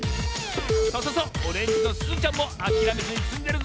そうそうそうオレンジのすずちゃんもあきらめずにつんでるぞ。